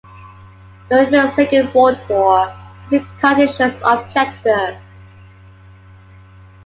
During the Second World War, he was a conscientious objector.